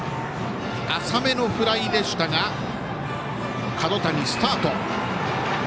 浅めのフライでしたが角谷、スタート。